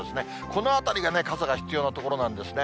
この辺りがね、傘が必要な所なんですね。